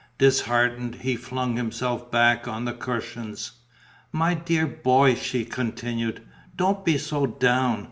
Disheartened, he flung himself back on the cushions. "My dear boy," she continued, "don't be so down.